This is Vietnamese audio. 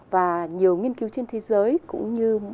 và nhiều nghiên cứu trên thế giới cũng như